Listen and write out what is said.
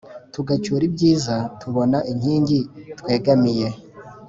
Tugacyura ibyiza, tubona inkingi twegamiye